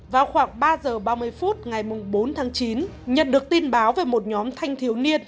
vào khoảng ba giờ ba mươi phút ngày bốn tháng chín nhận được tin báo về một nhóm thanh thiếu niên